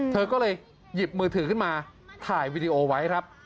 เธอก็เลยหยิบมือถือขึ้นมาถ่ายวีดีโอไว้ครับ